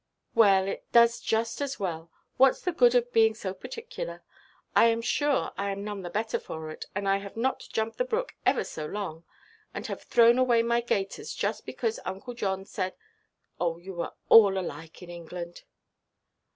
"Well, it does just as well. Whatʼs the good of being so particular? I am sure I am none the better for it; and I have not jumped the brook ever so long, and have thrown away my gaiters just because Uncle John said—oh, you are all alike in England."